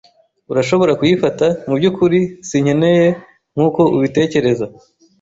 Urashobora kuyifata, mubyukuri sinkeneye nkuko ubitekereza.